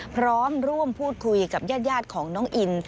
พร้อมร่วมพูดคุยกับญาติของน้องอิน